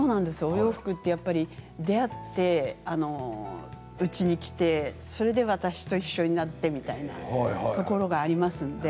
お洋服ってやっぱり出会ってうちに来てそれで私と一緒になってみたいなところがありますので。